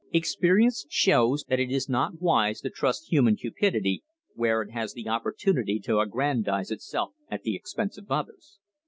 Experience shows that it is not wise to trust human cupidity where it has the opportunity to aggrandise itself at the expense of others.